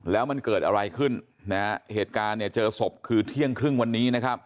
แล้วมันเกิดอะไรขึ้นนะฮะเหตุการณ์เนี่ยเจอศพคือเที่ยงครึ่งวันนี้นะครับ